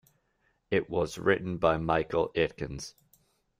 It was written by Michael Aitkens.